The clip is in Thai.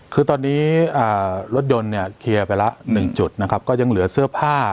คือตอนนี้รถยนต์เนี่ยเคลียร์ไปละ๑จุดนะครับก็ยังเหลือเสื้อผ้า